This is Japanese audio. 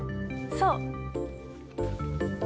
そう！